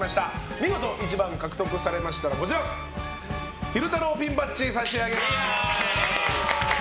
見事１番を獲得されましたら昼太郎ピンバッジを差し上げます。